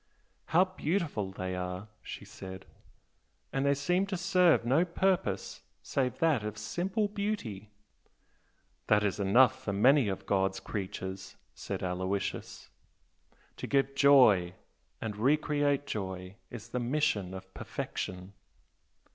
"How beautiful they are!" she said "And they seem to serve no purpose save that of simple beauty!" "That is enough for many of God's creatures" said Aloysius "To give joy and re create joy is the mission of perfection."